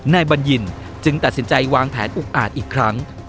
บัญญินจึงตัดสินใจวางแผนอุกอาจอีกครั้ง